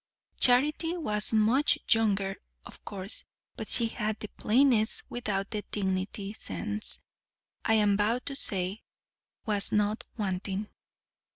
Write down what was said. Charity was much younger, of course; but she had the plainness without the dignity; sense, I am bound to say, was not wanting.